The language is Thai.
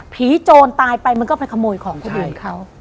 โจรตายไปมันก็ไปขโมยของคนอื่นเขา